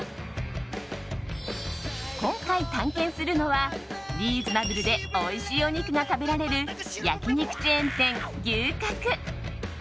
今回、探検するのはリーズナブルでおいしいお肉が食べられる焼き肉チェーン店、牛角。